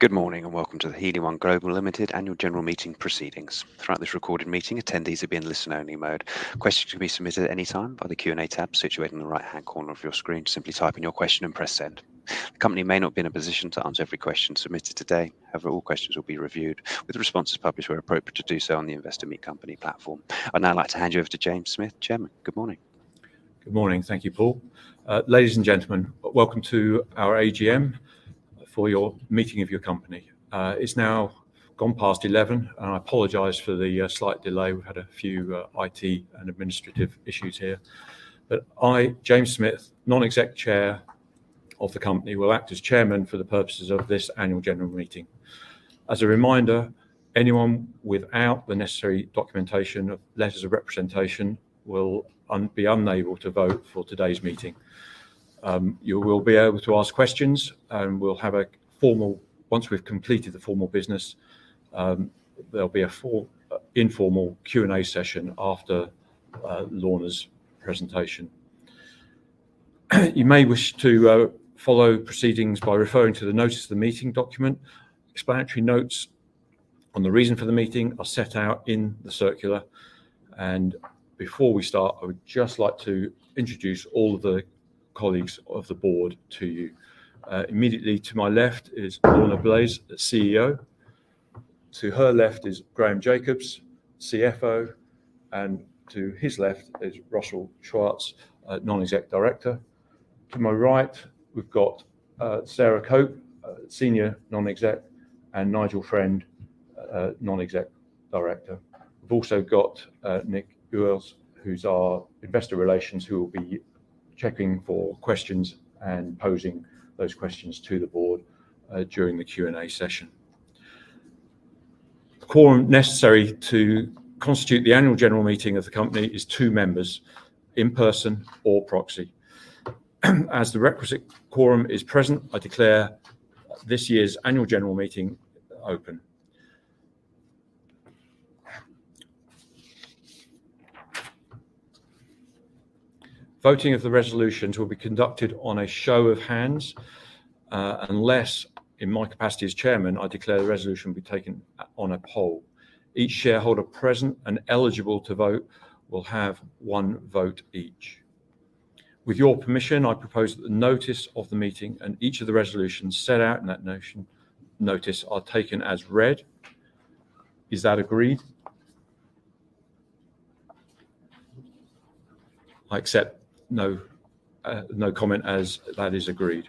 Good morning, and welcome to the Helium One Global Limited Annual General Meeting Proceedings. Throughout this recorded meeting, attendees will be in listen-only mode. Questions can be submitted at any time by the Q&A tab situated in the right-hand corner of your screen. Simply type in your question and press send. The company may not be in a position to answer every question submitted today. However, all questions will be reviewed with responses published where appropriate to do so on the Investor Meet Company platform. I'd now like to hand you over to James Smith, Chairman. Good morning. Good morning. Thank you, Paul. Ladies and gentlemen, welcome to our AGM for your meeting of your company. It's now gone past 11, and I apologize for the slight delay. We had a few IT and administrative issues here. I, James Smith, Non-Executive Chair of the company, will act as chairman for the purposes of this annual general meeting. As a reminder, anyone without the necessary documentation of letters of representation will be unable to vote for today's meeting. You will be able to ask questions, and once we've completed the formal business, there'll be an informal Q&A session after Lorna Blaisse's presentation. You may wish to follow proceedings by referring to the notice of the meeting document. Explanatory notes on the reason for the meeting are set out in the circular. Before we start, I would just like to introduce all of the colleagues of the board to you. Immediately to my left is Lorna Blaisse, the CEO. To her left is Graham Jacobs, CFO, and to his left is Russel Swarts, Non-Exec Director. To my right, we've got Sarah Cope, Senior Non-Exec, and Nigel Friend, Non-Exec Director. We've also got Nick Owles, who's our Investor Relations, who will be checking for questions and posing those questions to the board during the Q&A session. The quorum necessary to constitute the annual general meeting of the company is two members, in person or proxy. As the requisite quorum is present, I declare this year's annual general meeting open. Voting of the resolutions will be conducted on a show of hands, unless, in my capacity as Chairman, I declare the resolution will be taken on a poll. Each shareholder present and eligible to vote will have one vote each. With your permission, I propose that the notice of the meeting and each of the resolutions set out in that notice are taken as read. Is that agreed? I accept no comment as that is agreed.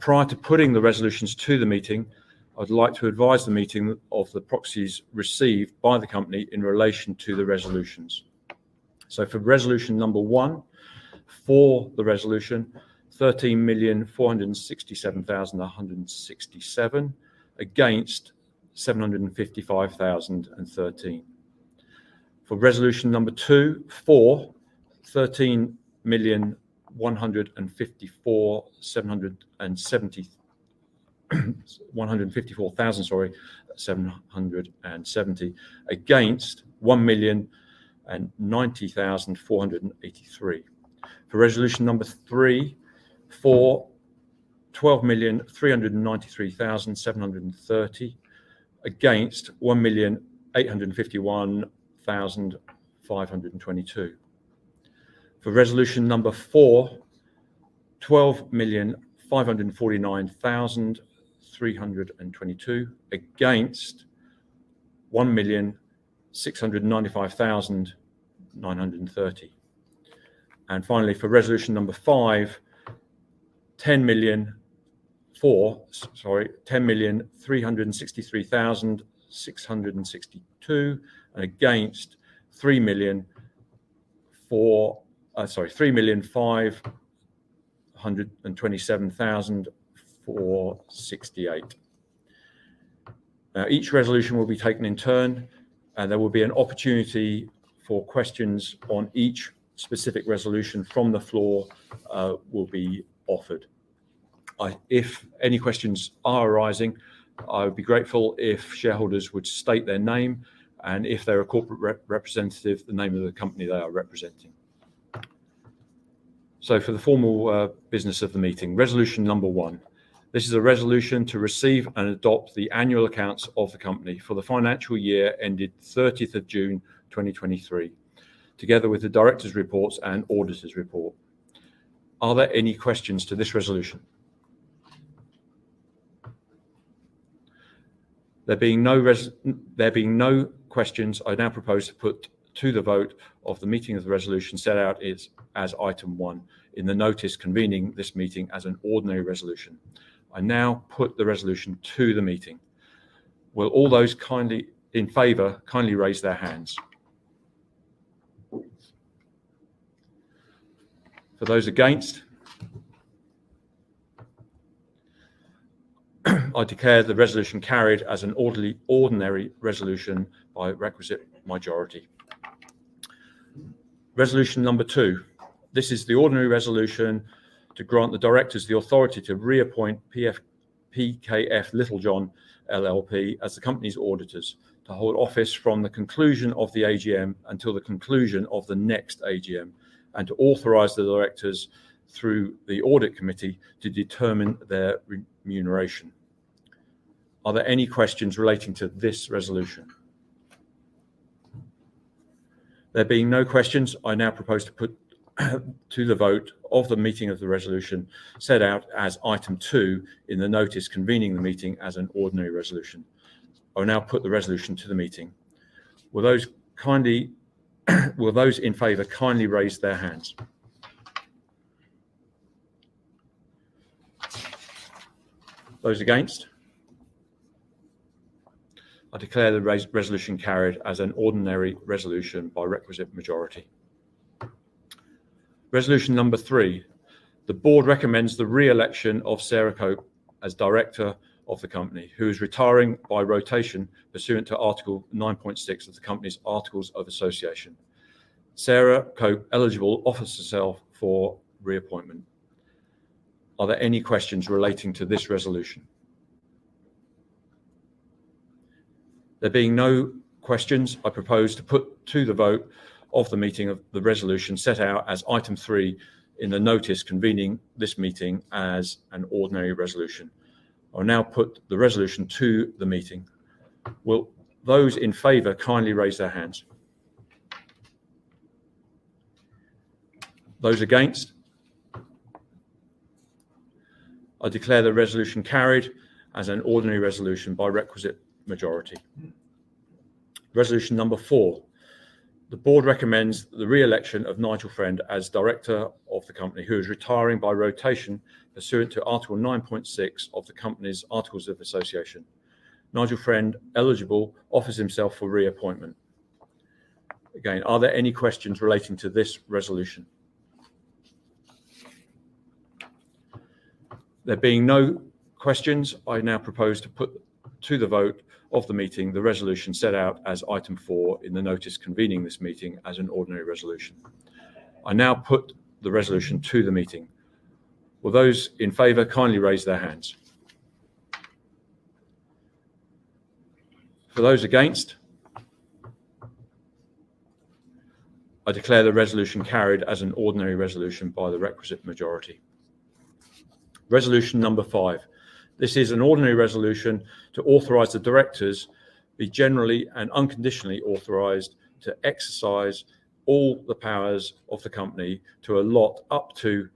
Prior to putting the resolutions to the meeting, I'd like to advise the meeting of the proxies received by the company in relation to the resolutions. For resolution number one, 13,467,167, against 755,013. For resolution number two, for 13,154,770, against 1,090,483. For resolution number three, for 12,393,730, against 1,851,522. For resolution number four, 12,549,322, against 1,695,930. Finally, for resolution number five, 10,363,662, against 3,527,468. Now each resolution will be taken in turn, and there will be an opportunity for questions on each specific resolution from the floor will be offered. If any questions are arising, I would be grateful if shareholders would state their name and if they're a corporate representative, the name of the company they are representing. For the formal business of the meeting, resolution number one. This is a resolution to receive and adopt the annual accounts of the company for the financial year ended 30th of June 2023, together with the directors reports and auditors report. Are there any questions to this resolution? There being no questions, I now propose to put to the vote of the meeting of the resolution set out as item one in the notice convening this meeting as an ordinary resolution. I now put the resolution to the meeting. Will all those in favor kindly raise their hands? For those against. I declare the resolution carried as an ordinary resolution by requisite majority. Resolution number two. This is the ordinary resolution to grant the directors the authority to reappoint PKF Littlejohn LLP as the company's auditors to hold office from the conclusion of the AGM until the conclusion of the next AGM, and to authorize the directors through the audit committee to determine their remuneration. Are there any questions relating to this resolution? There being no questions, I now propose to put the resolution to the vote of the meeting set out as Item two in the notice convening the meeting as an ordinary resolution. I will now put the resolution to the meeting. Will those in favor kindly raise their hands? Those against? I declare the resolution carried as an ordinary resolution by requisite majority. Resolution number three. The board recommends the re-election of Sarah Cope as director of the company, who is retiring by rotation pursuant to Article 9.6 of the company's articles of association. Sarah Cope, eligible, offers herself for reappointment. Are there any questions relating to this resolution? There being no questions, I propose to put to the vote of the meeting the resolution set out as Item three in the notice convening this meeting as an ordinary resolution. I will now put the resolution to the meeting. Will those in favor kindly raise their hands? Those against? I declare the resolution carried as an ordinary resolution by requisite majority. Resolution number four. The board recommends the re-election of Nigel Friend as director of the company, who is retiring by rotation pursuant to Article 9.6 of the company's articles of association. Nigel Friend, eligible, offers himself for reappointment. Again, are there any questions relating to this resolution? There being no questions, I now propose to put to the vote of the meeting the resolution set out as Item four in the notice convening this meeting as an ordinary resolution. I now put the resolution to the meeting. Will those in favor kindly raise their hands? For those against? I declare the resolution carried as an ordinary resolution by the requisite majority. Resolution number five. This is an ordinary resolution to authorize the directors be generally and unconditionally authorized to exercise all the powers of the company to allot up to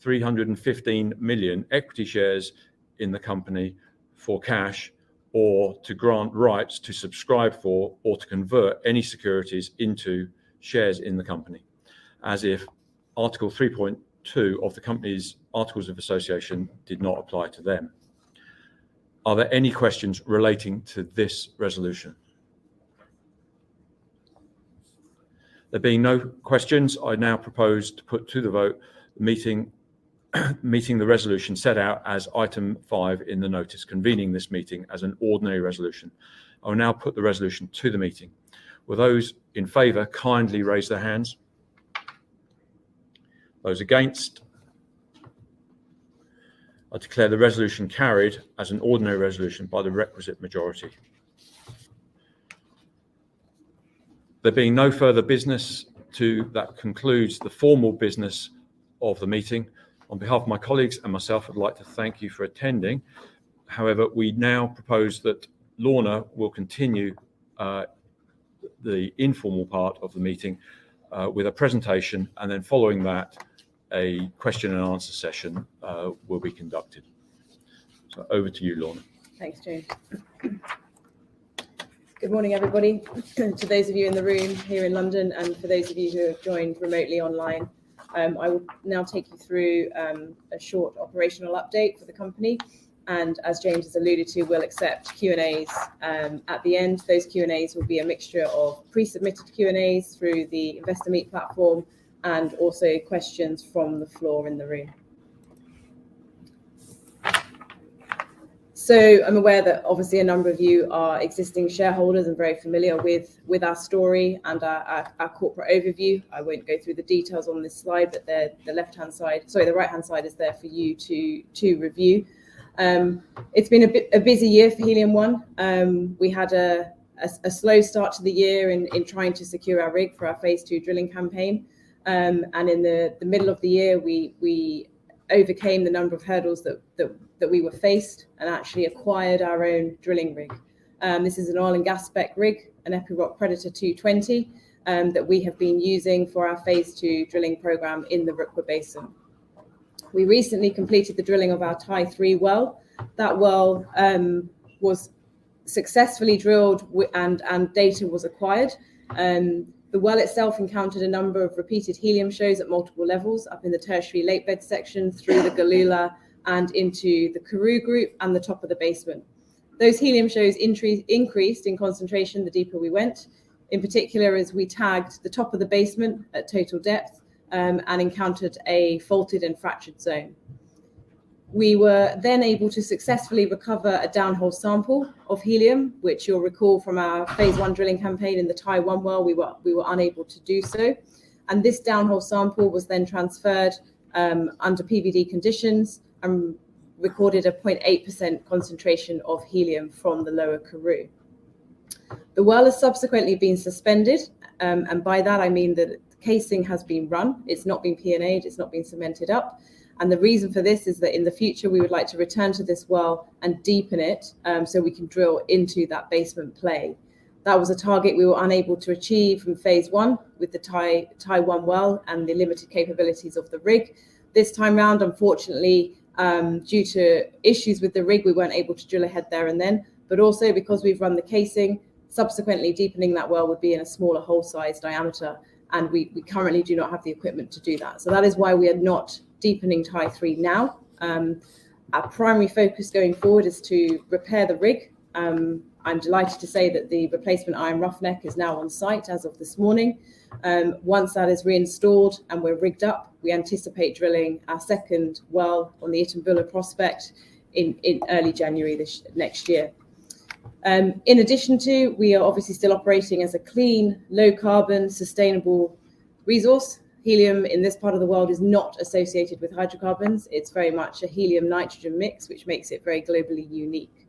315 million equity shares in the company for cash, or to grant rights to subscribe for or to convert any securities into shares in the company as if Article 3.2 of the company's articles of association did not apply to them. Are there any questions relating to this resolution? There being no questions, I now propose to put to the vote the resolution set out as Item five in the notice convening this meeting as an ordinary resolution. I will now put the resolution to the meeting. Will those in favor kindly raise their hands? Those against? I declare the resolution carried as an ordinary resolution by the requisite majority. There being no further business, that concludes the formal business of the meeting. On behalf of my colleagues and myself, I'd like to thank you for attending. However, we now propose that Lorna will continue the informal part of the meeting with a presentation, and then following that, a question-and-answer session will be conducted. Over to you, Lorna. Thanks, James. Good morning, everybody. To those of you in the room here in London and for those of you who have joined remotely online, I will now take you through a short operational update for the company. as James has alluded to, we'll accept Q&As at the end. Those Q&As will be a mixture of pre-submitted Q&As through the Investor Meet platform and also questions from the floor in the room. I'm aware that obviously a number of you are existing shareholders and very familiar with our story and our corporate overview. I won't go through the details on this slide, but the right-hand side is there for you to review. It's been a busy year for Helium One. We had a slow start to the year in trying to secure our rig for our Phase II drilling campaign. In the middle of the year, we overcame the number of hurdles that we were faced and actually acquired our own drilling rig. This is an oil and gas spec rig, an Epiroc Predator 220, that we have been using for our Phase II drilling program in the Rukwa Basin. We recently completed the drilling of our Tai-3 well. That well was successfully drilled and data was acquired. The well itself encountered a number of repeated helium shows at multiple levels up in the Tertiary lakebed section, through the Galula, and into the Karoo Group and the top of the basement. Those helium shows increased in concentration the deeper we went, in particular as we tagged the top of the basement at total depth, and encountered a faulted and fractured zone. We were then able to successfully recover a downhole sample of helium, which you'll recall from our phase I drilling campaign in the Tai-1 well, we were unable to do so. This downhole sample was then transferred under PVT conditions and recorded a 0.8% concentration of helium from the Lower Karoo. The well has subsequently been suspended. By that I mean the casing has been run. It's not been P&A'd, it's not been cemented up. The reason for this is that in the future, we would like to return to this well and deepen it, so we can drill into that basement play. That was a target we were unable to achieve from phase I with the Tai-1 well and the limited capabilities of the rig. This time round, unfortunately, due to issues with the rig, we weren't able to drill ahead there and then, but also because we've run the casing, subsequently deepening that well would be in a smaller hole size diameter, and we currently do not have the equipment to do that. That is why we are not deepening Tai-3 now. Our primary focus going forward is to repair the rig. I'm delighted to say that the replacement Iron Roughneck is now on site as of this morning. Once that is reinstalled and we're rigged up, we anticipate drilling our second well on the Itumbula prospect in early January next year. In addition too, we are obviously still operating as a clean, low carbon, sustainable resource. Helium in this part of the world is not associated with hydrocarbons. It's very much a helium nitrogen mix, which makes it very globally unique.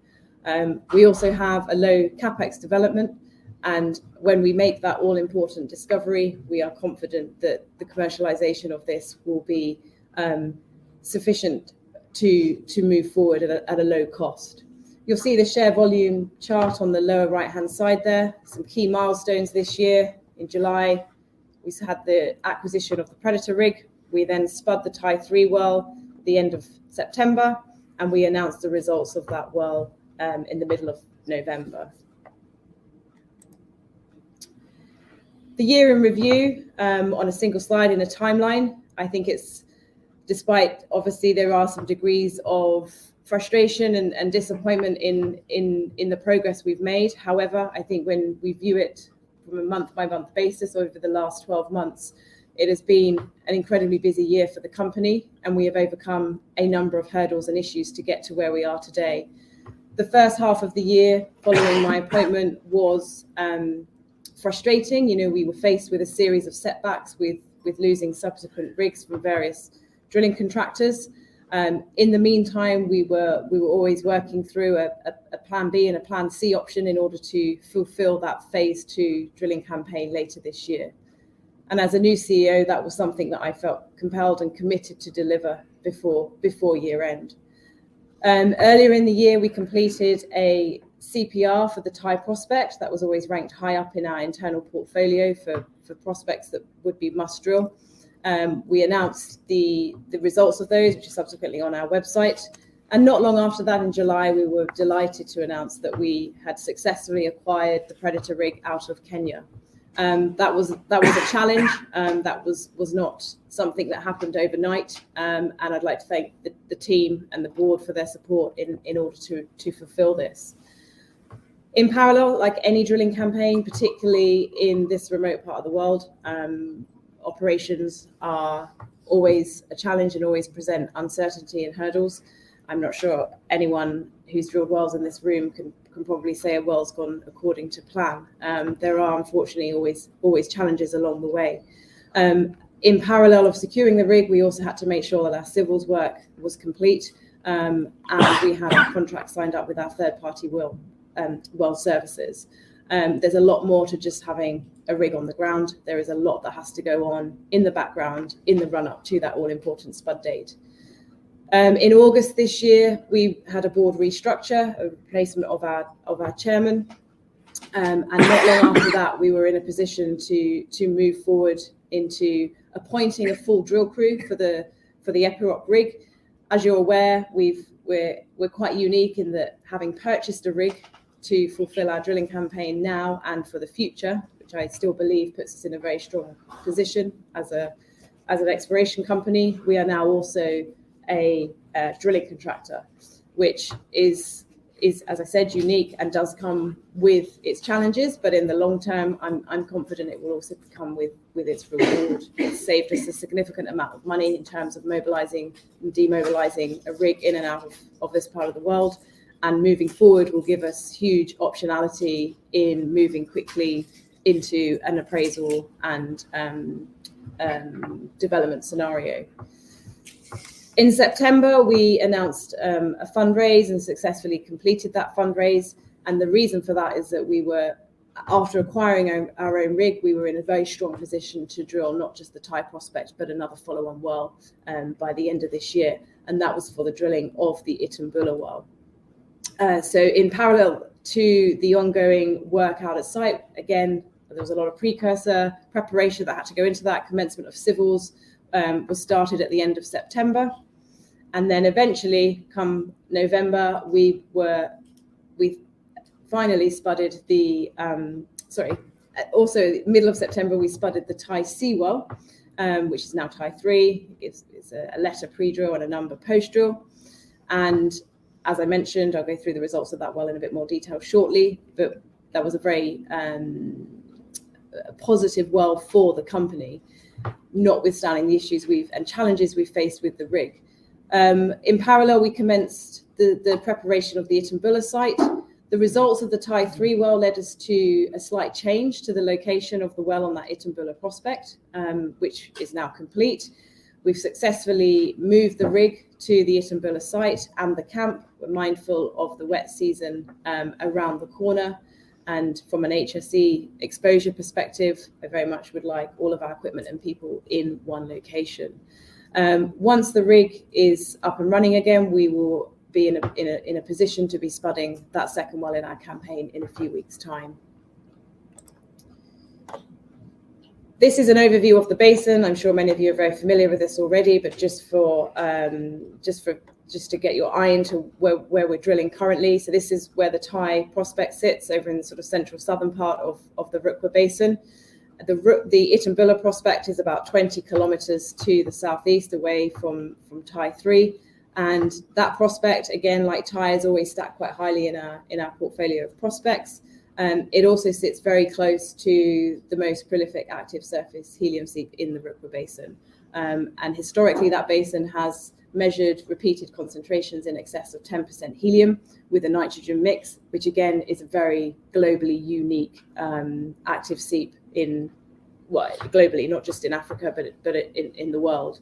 We also have a low CapEx development, and when we make that all important discovery, we are confident that the commercialization of this will be sufficient to move forward at a low cost. You'll see the share volume chart on the lower right-hand side there. Some key milestones this year. In July, we had the acquisition of the Predator rig. We then spud the Tai-3 well at the end of September, and we announced the results of that well in the middle of November. The year in review, on a single slide in a timeline. I think despite, obviously, there are some degrees of frustration and disappointment in the progress we've made. However, I think when we view it from a month by month basis over the last 12 months, it has been an incredibly busy year for the company, and we have overcome a number of hurdles and issues to get to where we are today. The first half of the year following my appointment was frustrating. We were faced with a series of setbacks with losing subsequent rigs from various drilling contractors. In the meantime, we were always working through a plan B and a plan C option in order to fulfill that phase II drilling campaign later this year. As a new CEO, that was something that I felt compelled and committed to deliver before-year-end. Earlier in the year, we completed a CPR for the Tanzania prospect that was always ranked high up in our internal portfolio for prospects that would be must drill. We announced the results of those, which are subsequently on our website. Not long after that, in July, we were delighted to announce that we had successfully acquired the Predator rig out of Kenya. That was a challenge. That was not something that happened overnight. I'd like to thank the team and the board for their support in order to fulfill this. In parallel, like any drilling campaign, particularly in this remote part of the world, operations are always a challenge and always present uncertainty and hurdles. I'm not sure anyone who's drilled wells in this room can probably say a well's gone according to plan. There are unfortunately always challenges along the way. In parallel with securing the rig, we also had to make sure that our civils work was complete, and we had contracts signed up with our third-party well services. There's a lot more to just having a rig on the ground. There is a lot that has to go on in the background in the run-up to that all important spud date. In August this year, we had a board restructure, a replacement of our chairman. Not long after that, we were in a position to move forward into appointing a full drill crew for the Epiroc rig. As you're aware, we're quite unique in that having purchased a rig to fulfill our drilling campaign now and for the future, which I still believe puts us in a very strong position as an exploration company. We are now also a drilling contractor, which is, as I said, unique and does come with its challenges. In the long term, I'm confident it will also come with its reward. It's saved us a significant amount of money in terms of mobilizing and demobilizing a rig in and out of this part of the world. Moving forward will give us huge optionality in moving quickly into an appraisal and development scenario. In September, we announced a fundraise and successfully completed that fundraise. The reason for that is that after acquiring our own rig, we were in a very strong position to drill not just the Tai prospect, but another follow-on well, by the end of this year. That was for the drilling of the Itumbula well. In parallel to the ongoing work out at site, again, there was a lot of precursor preparation that had to go into that. Commencement of civils was started at the end of September. Then eventually come November, we finally spudded. Middle of September, we spudded the Tai-C well, which is now Tai-3. It's a letter pre-drill and a number post-drill. As I mentioned, I'll go through the results of that well in a bit more detail shortly. That was a very positive well for the company, notwithstanding the issues and challenges we faced with the rig. In parallel, we commenced the preparation of the Itumbula site. The results of the Tai-3 well led us to a slight change to the location of the well on that Itumbula prospect, which is now complete. We've successfully moved the rig to the Itumbula site and the camp. We're mindful of the wet season around the corner, and from an HSE exposure perspective, I very much would like all of our equipment and people in one location. Once the rig is up and running again, we will be in a position to be spudding that second well in our campaign in a few weeks' time. This is an overview of the basin. I'm sure many of you are very familiar with this already, but just to get your eye into where we're drilling currently. This is where the Tai prospect sits, over in the central southern part of the Rukwa Basin. The Itumbula prospect is about 20 km to the southeast, away from Tai-3. That prospect, again, like Tai, has always stacked quite highly in our portfolio of prospects. It also sits very close to the most prolific active surface helium seep in the Rukwa Basin. Historically, that basin has measured repeated concentrations in excess of 10% helium with a nitrogen mix, which again, is a very globally unique, active seep globally, not just in Africa, but in the world.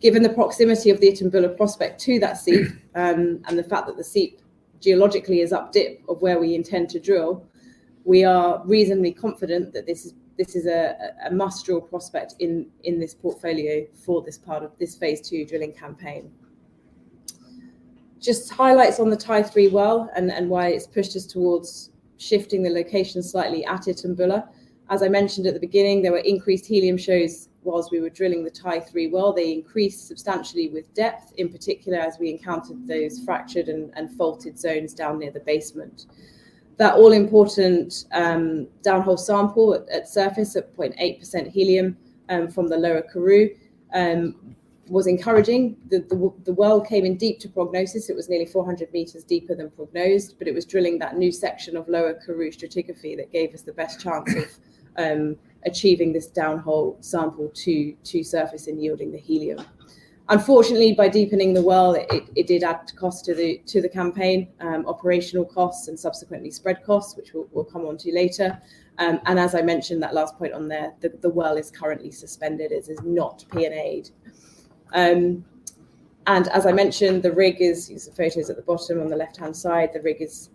Given the proximity of the Itumbula prospect to that seep, and the fact that the seep geologically is up-dip of where we intend to drill, we are reasonably confident that this is a must-drill prospect in this portfolio for this part of this phase two drilling campaign. Just highlights on the Tai-3 well and why it's pushed us towards shifting the location slightly at Itumbula. As I mentioned at the beginning, there were increased helium shows while we were drilling the Tai-3 well. They increased substantially with depth, in particular as we encountered those fractured and faulted zones down near the basement. That all-important downhole sample at surface at 0.8% helium from the Lower Karoo was encouraging. The well came in deep to prognosis. It was nearly 400 meters deeper than prognosed, but it was drilling that new section of Lower Karoo stratigraphy that gave us the best chance of achieving this downhole sample to surface and yielding the helium. Unfortunately, by deepening the well, it did add cost to the campaign, operational costs, and subsequently spread costs, which we'll come onto later. As I mentioned, that last point on there, the well is currently suspended. It is not P&A'd. As I mentioned, the rig is, you can see the photo is at the bottom on the left-hand side. The rig has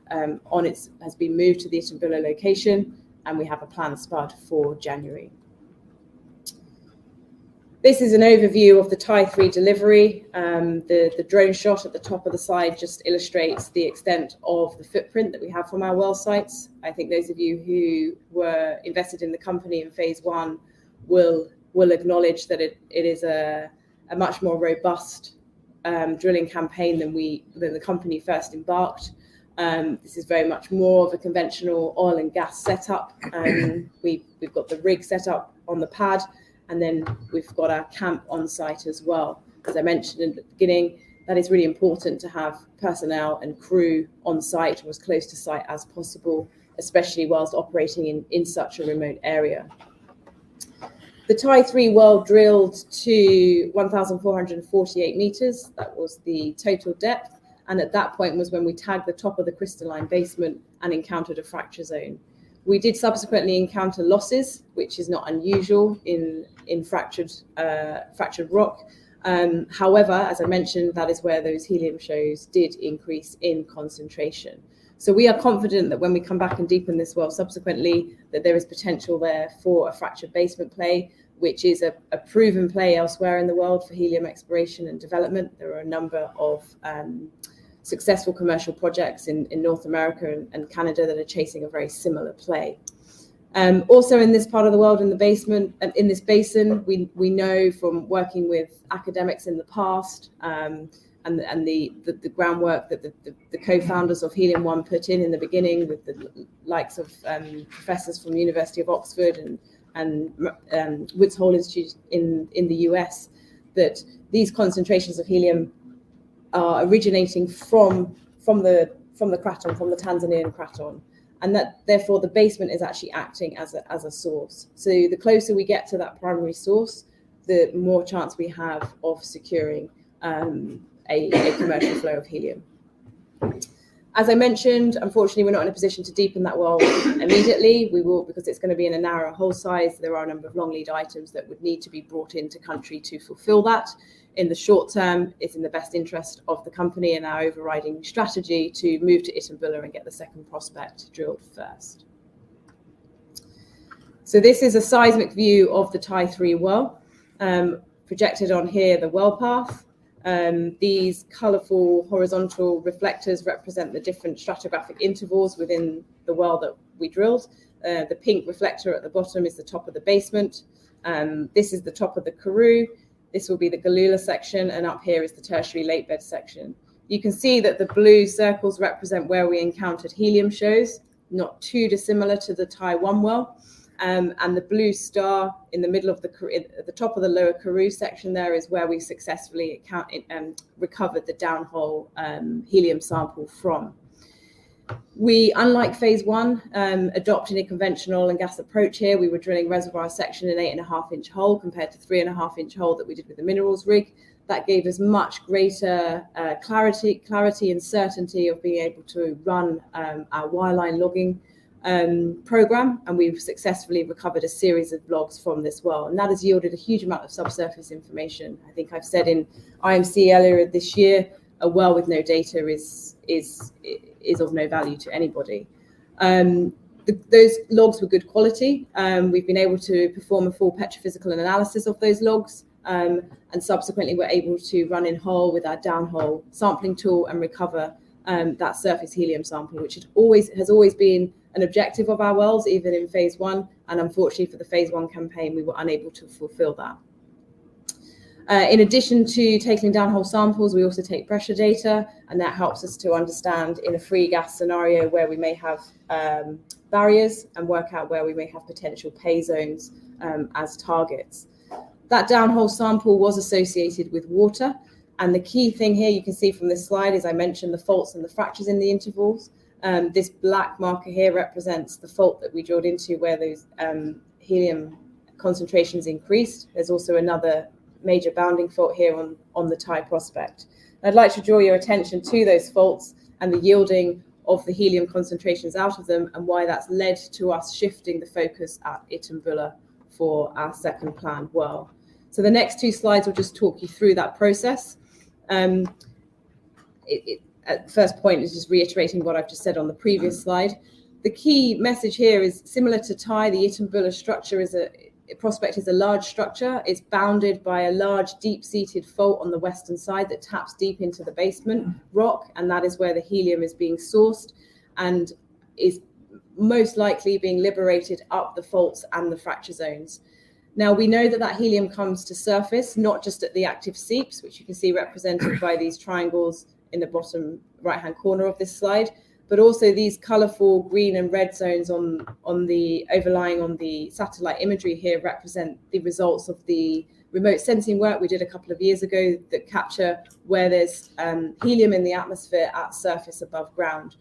been moved to the Itumbula location, and we have a planned spud for January. This is an overview of the Tai-003 delivery. The drone shot at the top of the slide just illustrates the extent of the footprint that we have from our well sites. I think those of you who were invested in the company in phase I will acknowledge that it is a much more robust drilling campaign than the company first embarked. This is very much more of a conventional oil and gas setup. We've got the rig set up on the pad, and then we've got our camp on site as well. As I mentioned in the beginning, that is really important to have personnel and crew on site or as close to site as possible, especially while operating in such a remote area. The Tai-003 well drilled to 1,448 meters. That was the total depth. At that point was when we tagged the top of the crystalline basement and encountered a fracture zone. We did subsequently encounter losses, which is not unusual in fractured rock. However, as I mentioned, that is where those helium shows did increase in concentration. We are confident that when we come back and deepen this well subsequently, that there is potential there for a fractured basement play, which is a proven play elsewhere in the world for helium exploration and development. There are a number of successful commercial projects in North America and Canada that are chasing a very similar play. Also in this part of the world, in this basin, we know from working with academics in the past, and the groundwork that the co-founders of Helium One put in in the beginning with the likes of professors from the University of Oxford and Woods Hole Oceanographic Institution in the U.S., that these concentrations of helium are originating from the craton, from the Tanzanian craton, and that therefore the basement is actually acting as a source. The closer we get to that primary source, the more chance we have of securing a commercial flow of helium. As I mentioned, unfortunately, we're not in a position to deepen that well immediately. We will because it's going to be in a narrower hole size. There are a number of long-lead items that would need to be brought into country to fulfill that. In the short term, it's in the best interest of the company and our overriding strategy to move to Itumbula and get the second prospect drilled first. This is a seismic view of the Tai-3 well. Projected on here, the well path. These colorful horizontal reflectors represent the different stratigraphic intervals within the well that we drilled. The pink reflector at the bottom is the top of the basement. This is the top of the Karoo. This will be the Galula section, and up here is the Tertiary lakebed section. You can see that the blue circles represent where we encountered helium shows, not too dissimilar to the Tai-1 well. The blue star at the top of the Lower Karoo section there is where we successfully recovered the downhole helium sample from. Unlike phase one, adopting a conventional oil and gas approach here, we were drilling reservoir section an 8.5-inch hole compared to 3.5-inch hole that we did with the minerals rig. That gave us much greater clarity and certainty of being able to run our wireline logging program, and we've successfully recovered a series of logs from this well, and that has yielded a huge amount of subsurface information. I think I've said in IMC earlier this year, a well with no data is of no value to anybody. Those logs were good quality. We've been able to perform a full petrophysical analysis of those logs, and subsequently we're able to run in hole with our downhole sampling tool and recover that surface helium sample, which has always been an objective of our wells, even in phase one, and unfortunately for the phase one campaign, we were unable to fulfill that. In addition to taking downhole samples, we also take pressure data, and that helps us to understand in a free gas scenario where we may have barriers and work out where we may have potential pay zones as targets. That downhole sample was associated with water, and the key thing here you can see from this slide, as I mentioned, the faults and the fractures in the intervals. This black marker here represents the fault that we drilled into where those helium concentrations increased. There's also another major bounding fault here on the Tai prospect. I'd like to draw your attention to those faults and the yielding of the helium concentrations out of them, and why that's led to us shifting the focus at Itumbula for our second planned well. The next two slides will just talk you through that process. The first point is just reiterating what I've just said on the previous slide. The key message here is similar to Tai, the Itumbula structure is a prospect, is a large structure, it's bounded by a large, deep-seated fault on the western side that taps deep into the basement rock, and that is where the helium is being sourced and is most likely being liberated up the faults and the fracture zones. Now, we know that helium comes to surface, not just at the active seeps, which you can see represented by these triangles in the bottom right-hand corner of this slide, but also these colorful green and red zones overlying on the satellite imagery here represent the results of the remote sensing work we did a couple of years ago that capture where there's helium in the atmosphere at surface above ground.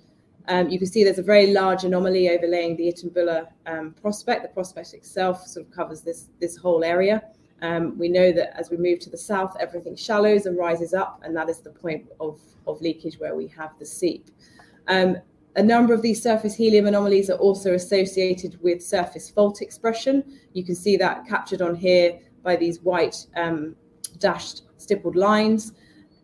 You can see there's a very large anomaly overlaying the Itumbula prospect. The prospect itself sort of covers this whole area. We know that as we move to the south, everything shallows and rises up, and that is the point of leakage where we have the seep. A number of these surface helium anomalies are also associated with surface fault expression. You can see that captured on here by these white dashed stippled lines.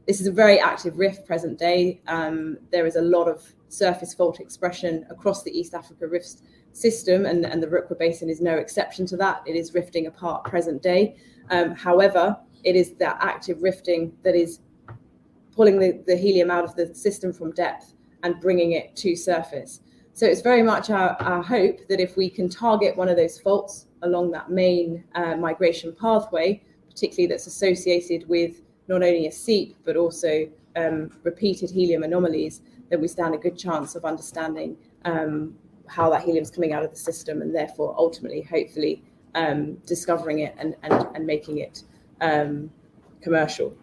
This is a very active rift present day. There is a lot of surface fault expression across the East African Rift System, and the Rukwa Basin is no exception to that. It is rifting apart present day. However, it is that active rifting that is pulling the helium out of the system from depth and bringing it to surface. It's very much our hope that if we can target one of those faults along that main migration pathway, particularly that's associated with not only a seep but also repeated helium anomalies, that we stand a good chance of understanding how that helium's coming out of the system and therefore ultimately, hopefully, discovering it and making it commercial.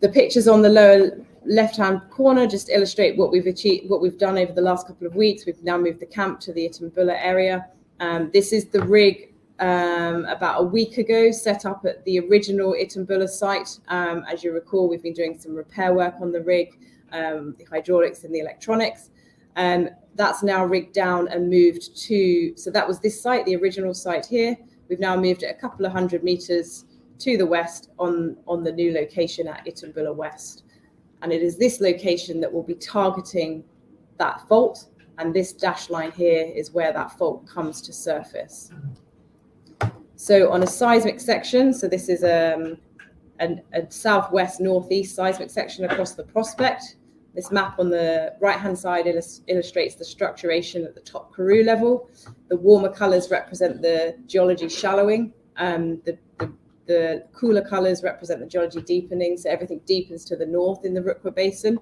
The pictures on the lower left-hand corner just illustrate what we've done over the last couple of weeks. We've now moved the camp to the Itumbula area. This is the rig, about a week ago, set up at the original Itumbula site. As you recall, we've been doing some repair work on the rig, the hydraulics, and the electronics. That's now rigged down and moved to. That was this site, the original site here. We've now moved it a couple of 100 meters to the west on the new location at Itumbula West. It is this location that will be targeting that fault, and this dashed line here is where that fault comes to surface. On a seismic section, this is a southwest-northeast seismic section across the prospect. This map on the right-hand side illustrates the structuration at the top Karoo level. The warmer colors represent the geology shallowing. The cooler colors represent the geology deepening. Everything deepens to the north in the Rukwa Basin.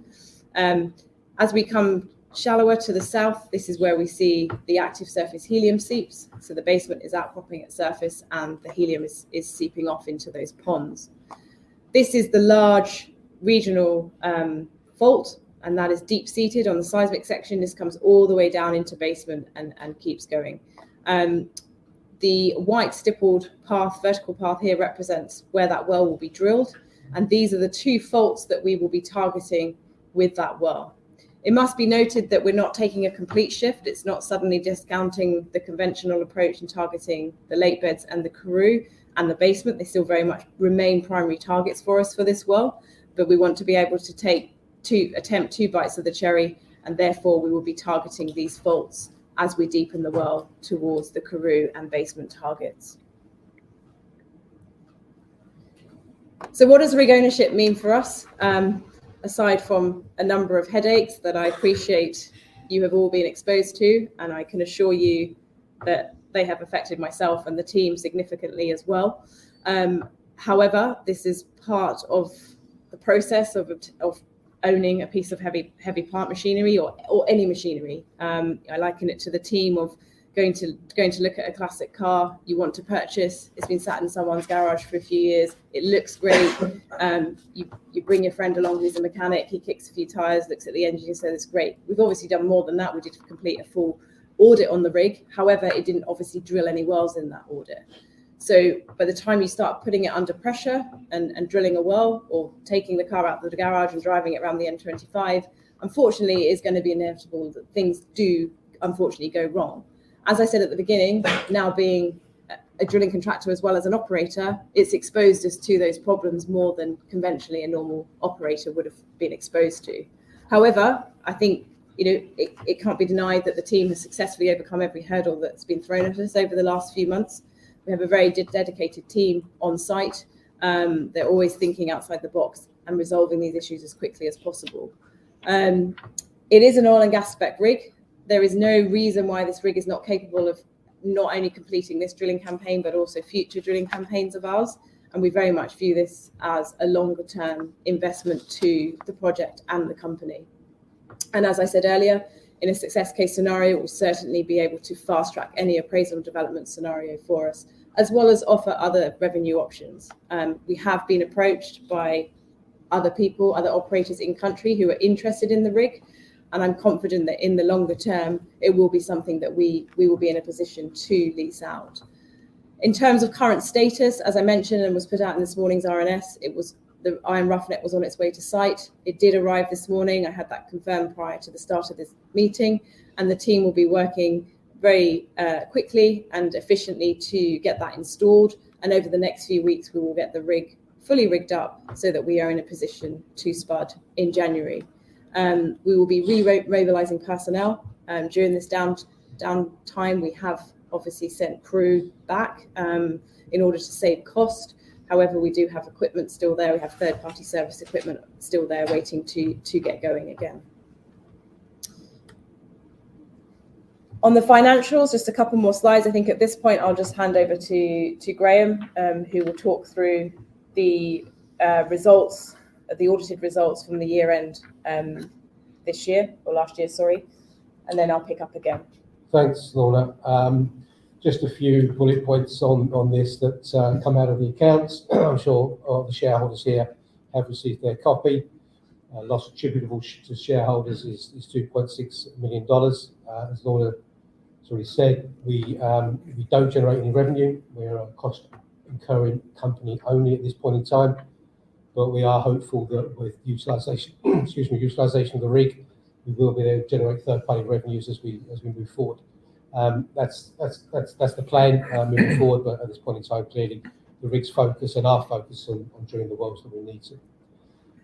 As we come shallower to the south, this is where we see the active surface helium seeps. The basement is outcropping at surface, and the helium is seeping off into those ponds. This is the large regional fault, and that is deep-seated on the seismic section. This comes all the way down into basement and keeps going. The white stippled path, vertical path here represents where that well will be drilled, and these are the two faults that we will be targeting with that well. It must be noted that we're not taking a complete shift. It's not suddenly discounting the conventional approach and targeting the lakebeds and the Karoo and the basement. They still very much remain primary targets for us for this well, but we want to be able to attempt two bites of the cherry, and therefore we will be targeting these faults as we deepen the well towards the Karoo and basement targets. What does rig ownership mean for us? Aside from a number of headaches that I appreciate you have all been exposed to, and I can assure you that they have affected myself and the team significantly as well. However, this is part of the process of owning a piece of heavy plant machinery or any machinery. I liken it to the team of going to look at a classic car you want to purchase. It's been sat in someone's garage for a few years. It looks great. You bring your friend along who's a mechanic, he kicks a few tires, looks at the engine and says, "Great." We've obviously done more than that. We did complete a full audit on the rig. However, it didn't obviously drill any wells in that audit. By the time you start putting it under pressure and drilling a well or taking the car out of the garage and driving it around the M25, unfortunately, it's going to be inevitable that things do unfortunately go wrong. As I said at the beginning, now being a drilling contractor as well as an operator, it's exposed us to those problems more than conventionally a normal operator would've been exposed to. However, I think it can't be denied that the team has successfully overcome every hurdle that's been thrown at us over the last few months. We have a very dedicated team on site. They're always thinking outside the box and resolving these issues as quickly as possible. It is an oil and gas spec rig. There is no reason why this rig is not capable of not only completing this drilling campaign, but also future drilling campaigns of ours. We very much view this as a longer term investment to the project and the company. As I said earlier, in a success case scenario, it will certainly be able to fast-track any appraisal and development scenario for us, as well as offer other revenue options. We have been approached by other people, other operators in country who are interested in the rig, and I'm confident that in the longer term, it will be something that we will be in a position to lease out. In terms of current status, as I mentioned and was put out in this morning's RNS, the Iron Roughneck was on its way to site. It did arrive this morning. I had that confirmed prior to the start of this meeting. The team will be working very quickly and efficiently to get that installed. Over the next few weeks, we will get the rig fully rigged up so that we are in a position to spud in January. We will be remobilizing personnel. During this downtime, we have obviously sent crew back in order to save cost. However, we do have equipment still there. We have third-party service equipment still there waiting to get going again. On the financials, just a couple more slides. I think at this point, I'll just hand over to Graham, who will talk through the audited results from the year-end this year. Last year, sorry, and then I'll pick up again. Thanks, Lorna. Just a few bullet points on this that come out of the accounts. I'm sure all the shareholders here have received their copy. Loss attributable to shareholders is $2.6 million. As Lorna already said, we don't generate any revenue. We are a cost-incurring company only at this point in time, but we are hopeful that with utilization of the rig, we will be able to generate third-party revenues as we move forward. That's the plan moving forward. But at this point in time, clearly the rig's focus and our focus on drilling the wells that we need to.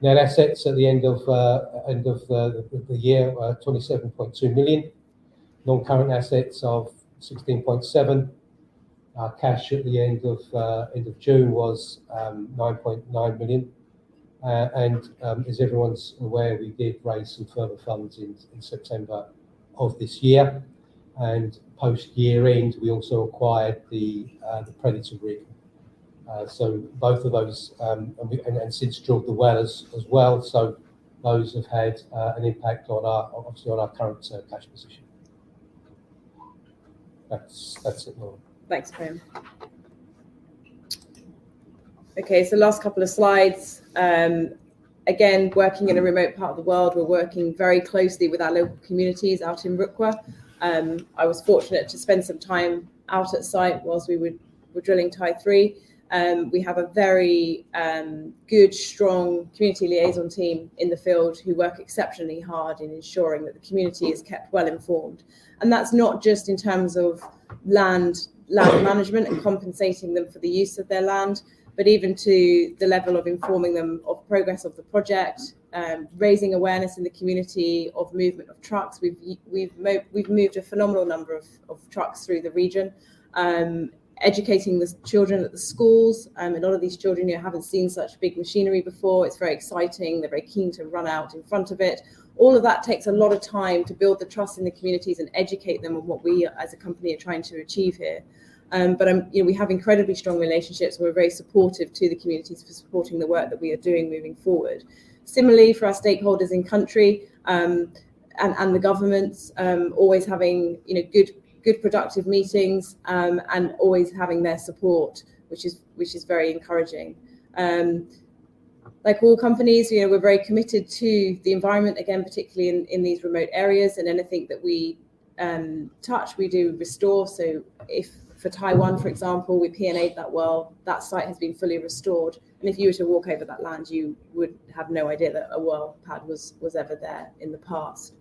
Net assets at the end of the year were 27.2 million. Non-current assets of 16.7 million. Our cash at the end of June was 9.9 million. As everyone's aware, we did raise some further funds in September of this year. Post year-end, we also acquired the Predator rig. Both of those and since we drilled the well as well have had an impact obviously on our current cash position. That's it, Lorna. Thanks, Graham. Okay, so last couple of slides. Again, working in a remote part of the world, we're working very closely with our local communities out in Rukwa. I was fortunate to spend some time out at site while we were drilling Tai-3. We have a very good, strong community liaison team in the field who work exceptionally hard in ensuring that the community is kept well-informed. That's not just in terms of land management and compensating them for the use of their land, but even to the level of informing them of progress of the project, raising awareness in the community of movement of trucks. We've moved a phenomenal number of trucks through the region. Educating the children at the schools. A lot of these children here haven't seen such big machinery before. It's very exciting. They're very keen to run out in front of it. All of that takes a lot of time to build the trust in the communities and educate them on what we, as a company, are trying to achieve here. We have incredibly strong relationships. We're very supportive to the communities for supporting the work that we are doing moving forward. Similarly, for our stakeholders in country, and the governments, always having good productive meetings, and always having their support, which is very encouraging. Like all companies, we're very committed to the environment, again, particularly in these remote areas. Anything that we touch, we do restore. For Tai-1, for example, we P&A'd that well, that site has been fully restored, and if you were to walk over that land, you would have no idea that a well pad was ever there in the past.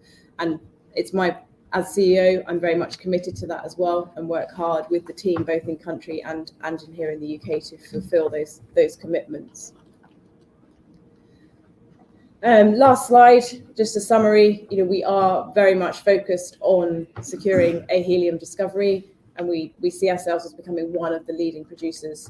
As CEO, I'm very much committed to that as well and work hard with the team both in country and in here in the U.K. to fulfill those commitments. Last slide, just a summary. We are very much focused on securing a helium discovery, and we see ourselves as becoming one of the leading producers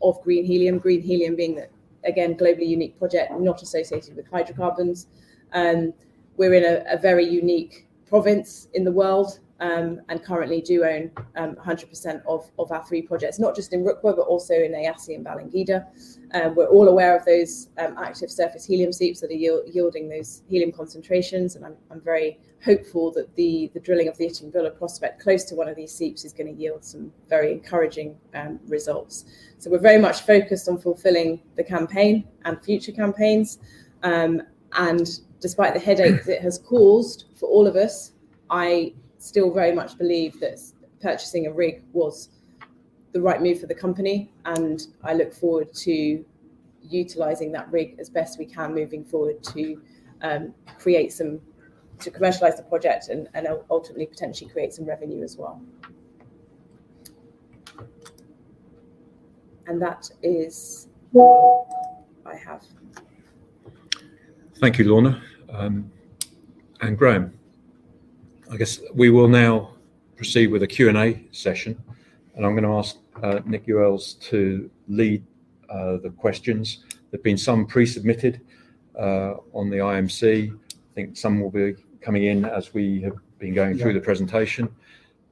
of green helium. Green helium being, again, globally unique project, not associated with hydrocarbons. We're in a very unique province in the world, and currently do own 100% of our three projects, not just in Rukwa, but also in Eyasi and Balangida. We're all aware of those active surface helium seeps that are yielding those helium concentrations, and I'm very hopeful that the drilling of the Itumbula prospect close to one of these seeps is going to yield some very encouraging results. We're very much focused on fulfilling the campaign and future campaigns. Despite the headaches it has caused for all of us, I still very much believe that purchasing a rig was the right move for the company. I look forward to utilizing that rig as best we can moving forward to commercialize the project and ultimately, potentially create some revenue as well. That is all I have. Thank you, Lorna. Graham, I guess we will now proceed with a Q&A session, and I'm going to ask Nick Owles to lead the questions. There've been some pre-submitted on the IMC. I think some will be coming in as we have been going through the presentation.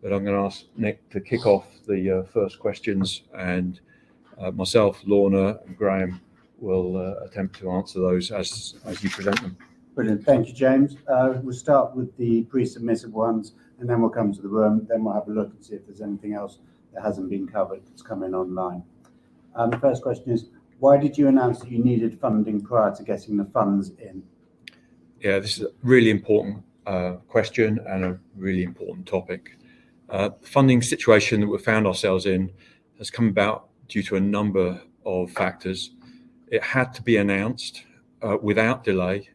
I'm going to ask Nick to kick off the first questions, and myself, Lorna, and Graham will attempt to answer those as you present them. Brilliant. Thank you, James. We'll start with the pre-submitted ones, and then we'll come to the room, then we'll have a look and see if there's anything else that hasn't been covered that's come in online. The first question is: why did you announce that you needed funding prior to getting the funds in? Yeah, this is a really important question and a really important topic. Funding situation that we've found ourselves in has come about due to a number of factors. It had to be announced without delay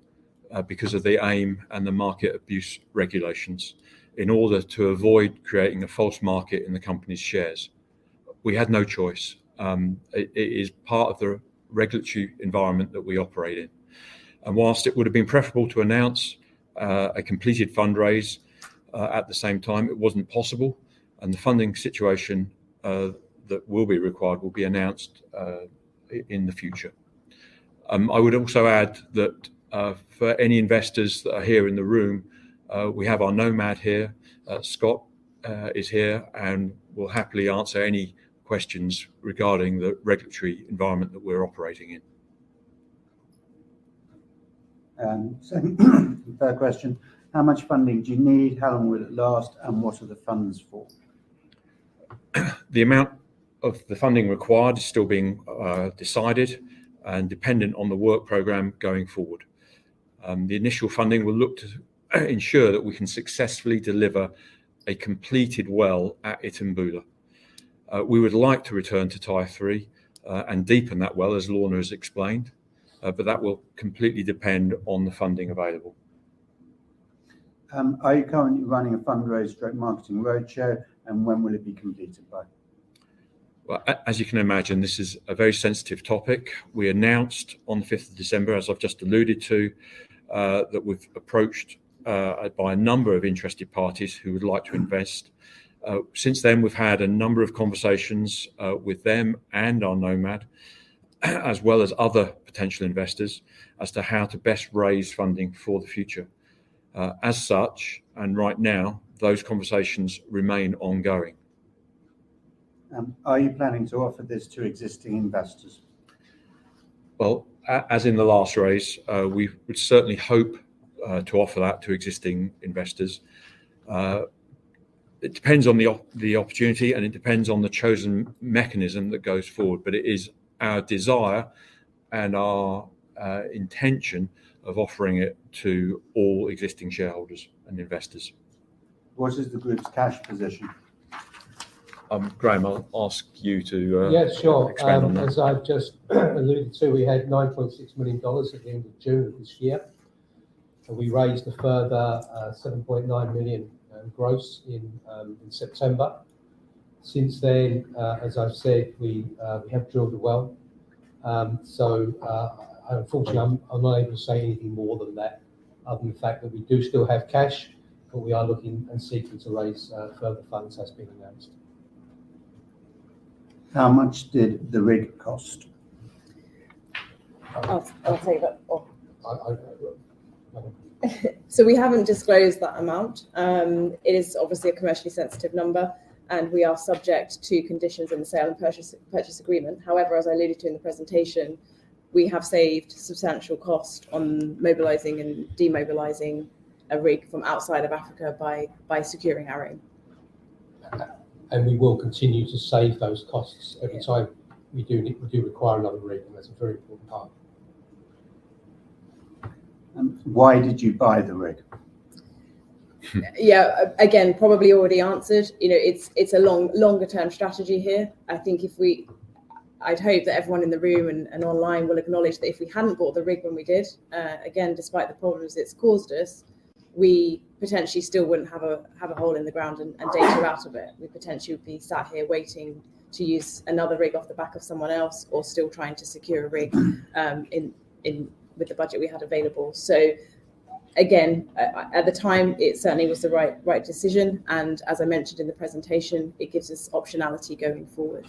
because of the AIM and the Market Abuse Regulation in order to avoid creating a false market in the company's shares. We had no choice. It is part of the regulatory environment that we operate in. While it would have been preferable to announce a completed fundraise at the same time, it wasn't possible, and the funding situation that will be required will be announced in the future. I would also add that for any investors that are here in the room, we have our Nomad here. Scott is here and will happily answer any questions regarding the regulatory environment that we're operating in. Second fair question, how much funding do you need? How long will it last, and what are the funds for? The amount of the funding required is still being decided and dependent on the work program going forward. The initial funding will look to ensure that we can successfully deliver a completed well at Itumbula. We would like to return to Tai-3, and deepen that well, as Lorna has explained, but that will completely depend on the funding available. Are you currently running a fundraise direct marketing roadshow, and when will it be completed by? Well, as you can imagine, this is a very sensitive topic. We announced on the 5th of December, as I've just alluded to, that we've been approached by a number of interested parties who would like to invest. Since then, we've had a number of conversations with them and our Nomad, as well as other potential investors as to how to best raise funding for the future. As such, and right now, those conversations remain ongoing. Are you planning to offer this to existing investors? Well, as in the last raise, we would certainly hope to offer that to existing investors. It depends on the opportunity, and it depends on the chosen mechanism that goes forward. It is our desire and our intention of offering it to all existing shareholders and investors. What is the group's cash position? Graham, I'll ask you to Yeah, sure. expand on that. As I've just alluded to, we had $9.6 million at the end of June of this year. We raised a further $7.9 million gross in September. Since then, as I've said, we have drilled a well. Unfortunately, I'm not able to say anything more than that, other than the fact that we do still have cash, but we are looking and seeking to raise further funds as has been announced. How much did the rig cost? I'll take that. I will. We haven't disclosed that amount. It is obviously a commercially sensitive number, and we are subject to conditions in the sale and purchase agreement. However, as I alluded to in the presentation, we have saved substantial cost on mobilizing and demobilizing a rig from outside of Africa by securing our rig. We will continue to save those costs every time we do require another rig, and that's a very important part. Why did you buy the rig? Yeah. Again, probably already answered. It's a longer-term strategy here. I'd hope that everyone in the room and online will acknowledge that if we hadn't bought the rig when we did, again, despite the problems it's caused us, we potentially still wouldn't have a hole in the ground and data out of it. We'd potentially be sat here waiting to use another rig off the back of someone else or still trying to secure a rig with the budget we had available. Again, at the time, it certainly was the right decision, and as I mentioned in the presentation, it gives us optionality going forward.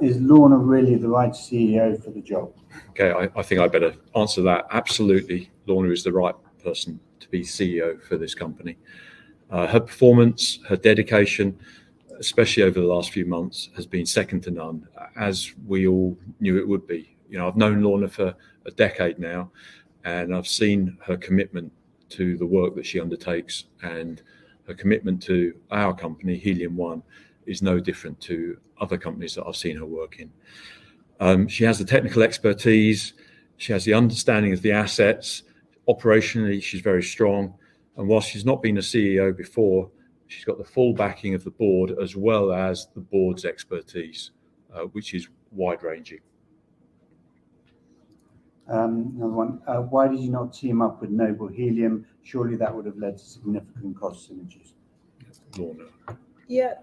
Is Lorna really the right CEO for the job? Okay. I think I better answer that. Absolutely, Lorna is the right person to be CEO for this company. Her performance, her dedication, especially over the last few months, has been second to none. As we all knew it would be. I've known Lorna for a decade now, and I've seen her commitment to the work that she undertakes and her commitment to our company, Helium One, is no different to other companies that I've seen her work in. She has the technical expertise. She has the understanding of the assets. Operationally, she's very strong. While she's not been a CEO before, she's got the full backing of the board as well as the board's expertise, which is wide-ranging. Another one. Why did you not team up with Noble Helium? Surely, that would've led to significant cost synergies. Lorna. Yeah.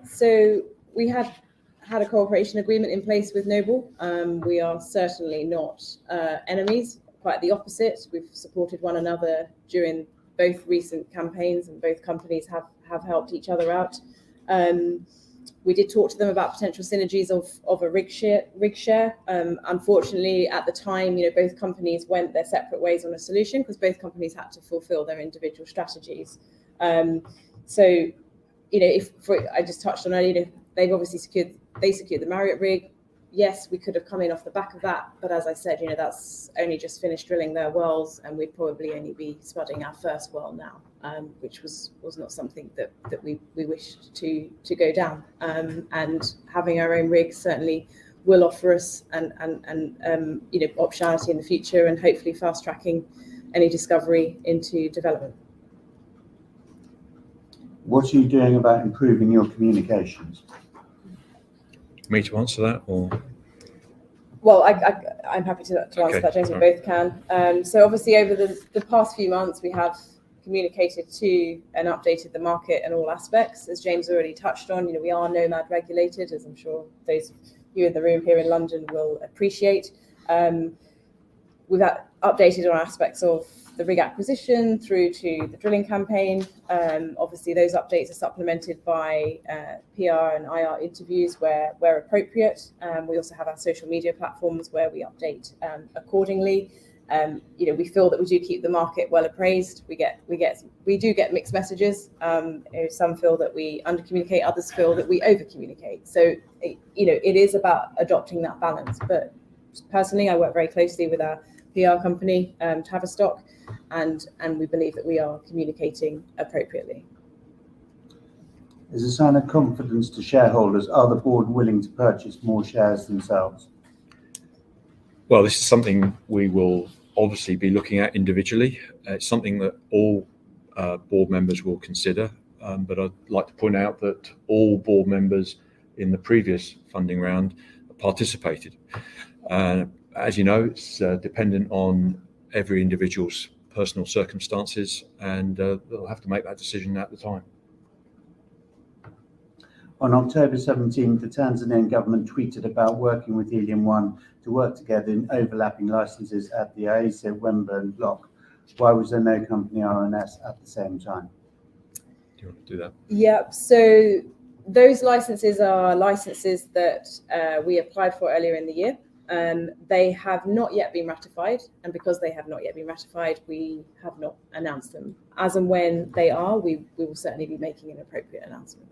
We had a cooperation agreement in place with Noble. We are certainly not enemies. Quite the opposite. We've supported one another during both recent campaigns, and both companies have helped each other out. We did talk to them about potential synergies of a rig share. Unfortunately, at the time, both companies went their separate ways on a solution because both companies had to fulfill their individual strategies. I just touched on earlier, they secured the Marriott rig. Yes, we could have come in off the back of that, but as I said, that's only just finished drilling their wells, and we'd probably only be spudding our first well now, which was not something that we wished to go down. Having our own rig certainly will offer us an option in the future, and hopefully fast-tracking any discovery into development. What are you doing about improving your communications? me answer that, or? Well, I'm happy to answer that. Okay. All right. James. We both can. Obviously over the past few months, we have communicated to and updated the market in all aspects. As James already touched on, we are Nomad regulated, as I'm sure those of you in the room here in London will appreciate. We got updated on aspects of the rig acquisition through to the drilling campaign. Obviously, those updates are supplemented by PR and IR interviews where appropriate. We also have our social media platforms where we update accordingly. We feel that we do keep the market well appraised. We do get mixed messages. Some feel that we under-communicate, others feel that we over-communicate. It is about adopting that balance. Personally, I work very closely with our PR company, Tavistock, and we believe that we are communicating appropriately. As a sign of confidence to shareholders, are the Board willing to purchase more shares themselves? Well, this is something we will obviously be looking at individually. It's something that all board members will consider. I'd like to point out that all board members in the previous funding round participated. As you know, it's dependent on every individual's personal circumstances, and they'll have to make that decision at the time. On October 17th, the Tanzanian government tweeted about working with Helium One to work together in overlapping licenses at the Eyasi-Wembere block. Why was there no company RNS at the same time? Do you want to do that? Yep. Those licenses are licenses that we applied for earlier in the year. They have not yet been ratified, and because they have not yet been ratified, we have not announced them. As and when they are, we will certainly be making an appropriate announcement.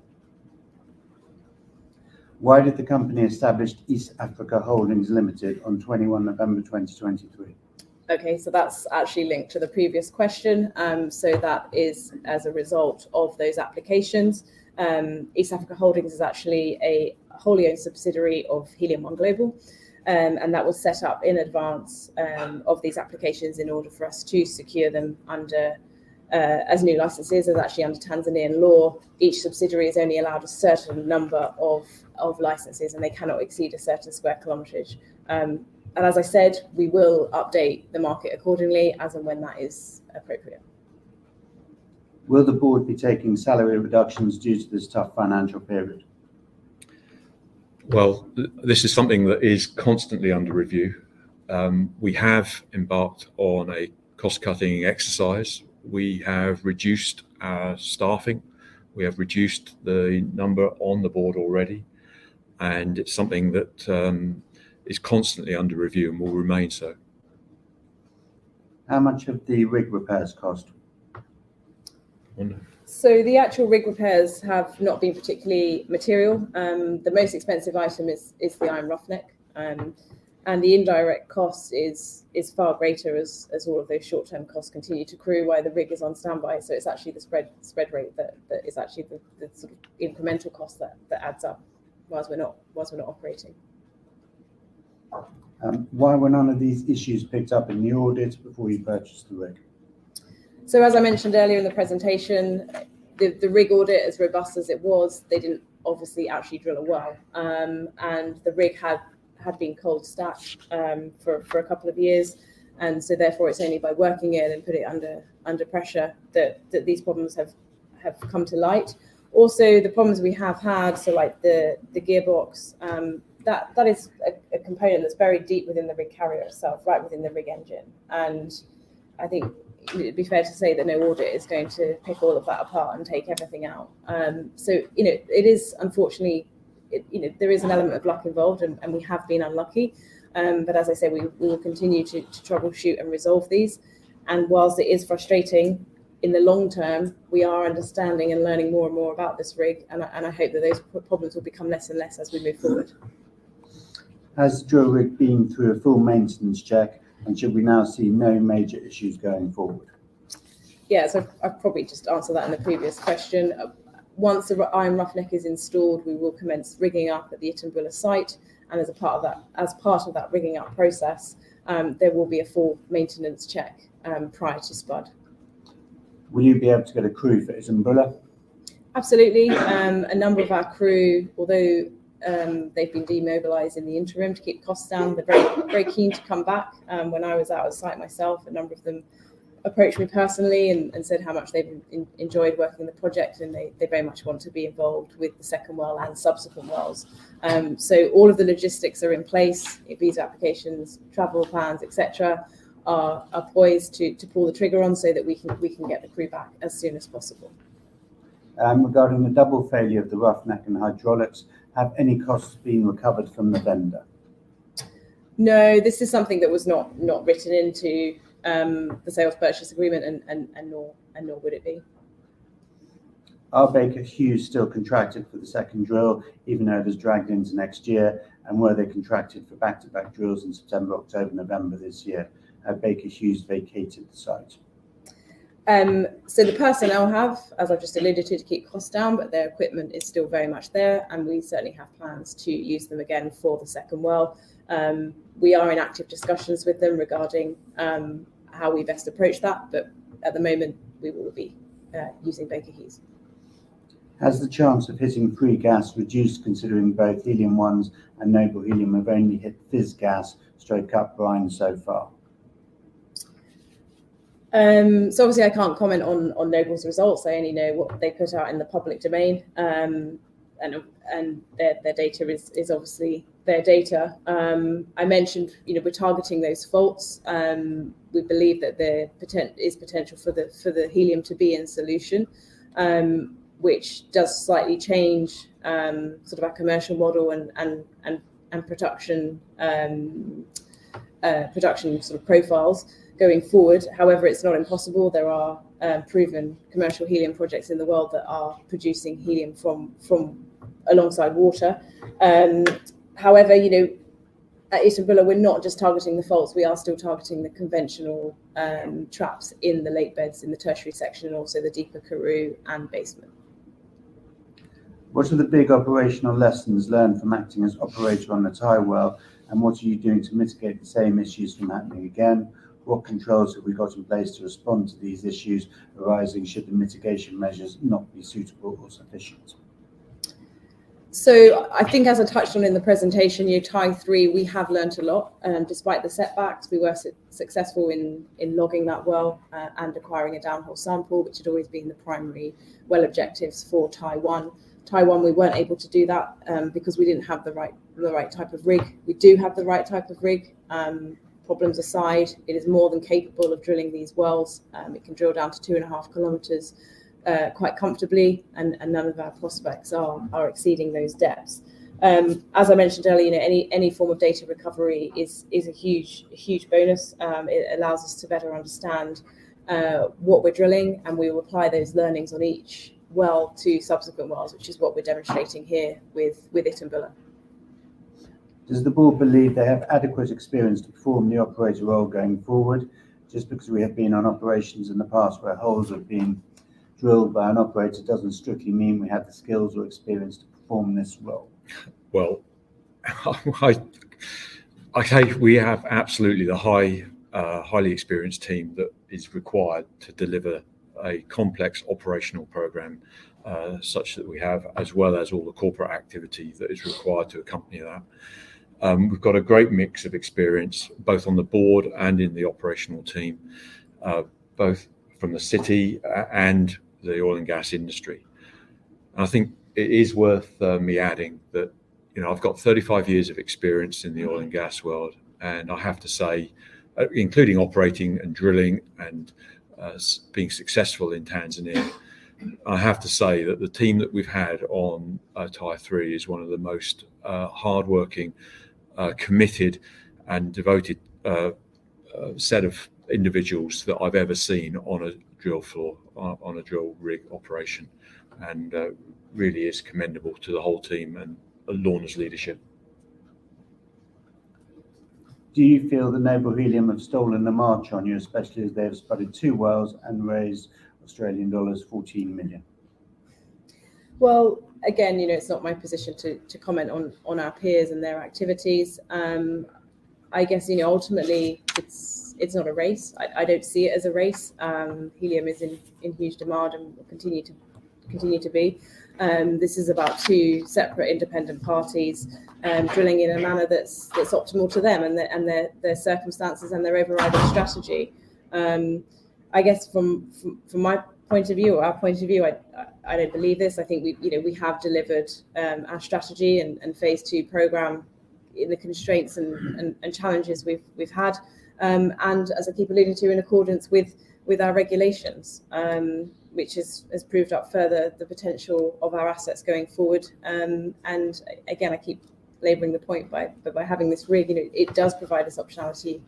Why did the company establish East Africa Holdings Limited on 21 November 2023? Okay. That's actually linked to the previous question. That is as a result of those applications. East Africa Holdings is actually a wholly owned subsidiary of Helium One Global, and that was set up in advance of these applications in order for us to secure them as new licenses, as actually under Tanzanian law, each subsidiary is only allowed a certain number of licenses, and they cannot exceed a certain square kilometerage. As I said, we will update the market accordingly as and when that is appropriate. Will the board be taking salary reductions due to this tough financial period? Well, this is something that is constantly under review. We have embarked on a cost-cutting exercise. We have reduced our staffing. We have reduced the number on the board already, and it's something that is constantly under review and will remain so. How much of the rig repairs cost? Lorna. The actual rig repairs have not been particularly material. The most expensive item is the Iron Roughneck. The indirect cost is far greater as all of those short-term costs continue to accrue while the rig is on standby. It's actually the spread rate that is actually the incremental cost that adds up while we're not operating. Why were none of these issues picked up in the audit before you purchased the rig? As I mentioned earlier in the presentation, the rig audit, as robust as it was, they didn't obviously actually drill a well. The rig had been cold stacked for a couple of years. It's only by working it and put it under pressure that these problems have come to light. Also, the problems we have had, so like the gearbox, that is a component that's very deep within the rig carrier itself, right within the rig engine. I think it'd be fair to say that no auditor is going to pick all of that apart and take everything out. Unfortunately, there is an element of luck involved and we have been unlucky. As I say, we will continue to troubleshoot and resolve these. While it is frustrating, in the long term, we are understanding and learning more and more about this rig, and I hope that those problems will become less and less as we move forward. Has drill rig been through a full maintenance check, and should we now see no major issues going forward? Yes. I've probably just answered that in the previous question. Once the Iron Roughneck is installed, we will commence rigging up at the Itumbula site, and as part of that rigging up process, there will be a full maintenance check prior to spud. Will you be able to get a crew for Itumbula? Absolutely. A number of our crew, although they've been demobilized in the interim to keep costs down, they're very keen to come back. When I was out at site myself, a number of them approached me personally and said how much they've enjoyed working on the project, and they very much want to be involved with the second well and subsequent wells. All of the logistics are in place. Visa applications, travel plans, et cetera, are poised to pull the trigger on so that we can get the crew back as soon as possible. Regarding the double failure of the roughneck and hydraulics, have any costs been recovered from the vendor? No. This is something that was not written into the sale and purchase agreement and nor would it be. Are Baker Hughes still contracted for the second drill, even though there's drag into next year? Were they contracted for back-to-back drills in September, October, November this year? Have Baker Hughes vacated the site? The personnel have, as I've just alluded to keep costs down, but their equipment is still very much there, and we certainly have plans to use them again for the second well. We are in active discussions with them regarding how we best approach that, but at the moment, we will be using Baker Hughes. Has the chance of hitting free gas reduced considering both Helium One's and Noble Helium have only hit fizz gas / cut brine so far? Obviously I can't comment on Noble's results. I only know what they put out in the public domain. Their data is obviously their data. I mentioned we're targeting those faults. We believe that there is potential for the helium to be in solution, which does slightly change our commercial model and production profiles going forward. However, it's not impossible. There are proven commercial helium projects in the world that are producing helium from alongside water. However, at Itumbula, we're not just targeting the faults, we are still targeting the conventional traps in the lake beds in the Tertiary section and also the deeper Karoo and basement. What are the big operational lessons learned from acting as operator on the Tai well, and what are you doing to mitigate the same issues from happening again? What controls have we got in place to respond to these issues arising should the mitigation measures not be suitable or sufficient? I think as I touched on in the presentation, Tai-3, we have learned a lot. Despite the setbacks, we were successful in logging that well, and acquiring a downhole sample, which had always been the primary well objectives for Tai-1. Tai-1, we weren't able to do that, because we didn't have the right type of rig. We do have the right type of rig. Problems aside, it is more than capable of drilling these wells. It can drill down to 2.5 km quite comfortably, and none of our prospects are exceeding those depths. As I mentioned earlier, any form of data recovery is a huge bonus. It allows us to better understand what we're drilling, and we will apply those learnings on each well to subsequent wells, which is what we're demonstrating here with Itumbula. Does the board believe they have adequate experience to perform the operator role going forward? Just because we have been on operations in the past where holes have been drilled by an operator doesn't strictly mean we have the skills or experience to perform this role. Well, I'd say we have absolutely the highly experienced team that is required to deliver a complex operational program such that we have, as well as all the corporate activity that is required to accompany that. We've got a great mix of experience, both on the board and in the operational team, both from the city and the oil and gas industry. I think it is worth me adding that I've got 35 years of experience in the oil and gas world, and I have to say, including operating and drilling and being successful in Tanzania, I have to say that the team that we've had on Tai-3 is one of the most hardworking, committed, and devoted set of individuals that I've ever seen on a drill floor, on a drill rig operation. Really it's commendable to the whole team and Lorna's leadership. Do you feel that Noble Helium have stolen the march on you, especially as they have spudded two wells and raised Australian dollars 14 million? Well, again, it's not my position to comment on our peers and their activities. I guess ultimately it's not a race. I don't see it as a race. Helium is in huge demand and will continue to be. This is about two separate independent parties drilling in a manner that's optimal to them and their circumstances and their overriding strategy. I guess from my point of view or our point of view, I don't believe this. I think we have delivered our strategy and phase two program in the constraints and challenges we've had. As I keep alluding to, in accordance with our regulations, which has proved out further the potential of our assets going forward. Again, I keep laboring the point, but by having this rig, it does provide us optionality